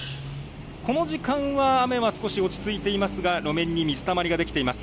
この時間は雨は少し落ち着いていますが、路面に水たまりが出来ています。